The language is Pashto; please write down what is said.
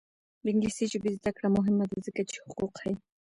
د انګلیسي ژبې زده کړه مهمه ده ځکه چې حقوق ښيي.